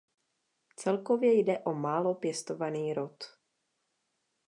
Celkově jde o málo pěstovaný rod.